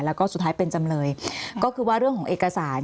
แล้วก็สุดท้ายเป็นจำเลยก็คือว่าเรื่องของเอกสาร